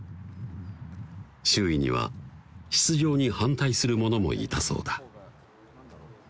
周囲には出場に反対する者もいたそうだ